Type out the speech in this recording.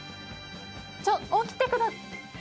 ちょっ起きてくだ。